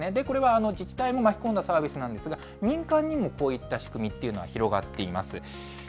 これは自治体も巻き込んだサービスなんですが、民間にも、こういった仕組みというのは広がっています。